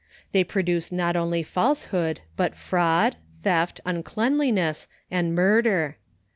They produce not only falsehood, hut fraud, theft, uncleanness and mur der.